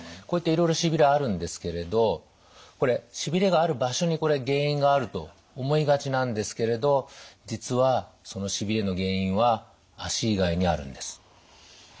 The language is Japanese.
こういったいろいろしびれあるんですけれどこれしびれがある場所に原因があると思いがちなんですけれど実はそのしびれの原因は足以外にあるんです。